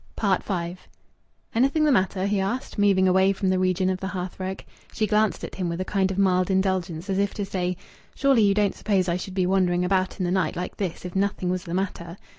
V "Anything the matter?" he asked, moving away from the region of the hearth rug. She glanced at him with a kind of mild indulgence, as if to say: "Surely you don't suppose I should be wandering about in the night like this if nothing was the matter!"